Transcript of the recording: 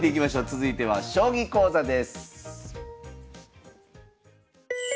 続いては将棋講座です。